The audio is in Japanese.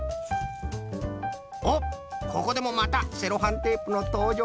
おっここでもまたセロハンテープのとうじょうじゃ。